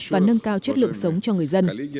và nâng cao chất lượng sống cho người dân